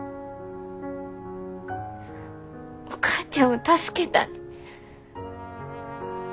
お母ちゃんを助けたい。